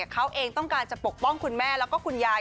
เขาเองต้องการจะปกป้องคุณแม่แล้วก็คุณยาย